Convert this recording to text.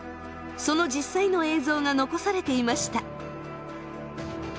その実際の映像が残されていました。